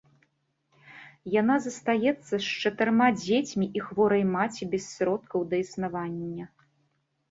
Яна застаецца з чатырма дзецьмі і хворай маці без сродкаў да існавання.